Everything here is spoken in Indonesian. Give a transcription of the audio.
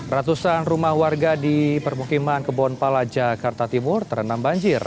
ratusan rumah warga di permukiman kebonpala jakarta timur terenam banjir